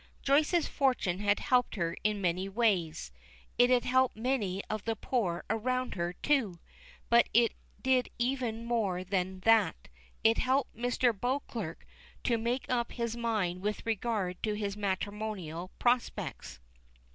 Joyce's fortune had helped her in many ways. It had helped many of the poor around her, too; but it did even more than that. It helped Mr. Beauclerk to make up his mind with regard to his matrimonial prospects.